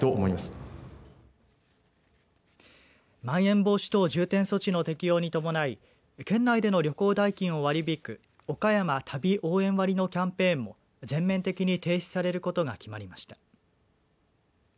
まん延防止等重点措置の適用に伴い県内での旅行代金を割り引くおかやま旅応援割のキャンペーンも全面的に停止されることが決まりました。